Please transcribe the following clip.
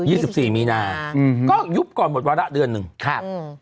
สิบสี่มีนาอืมก็ยุบก่อนหมดวาระเดือนหนึ่งครับอืม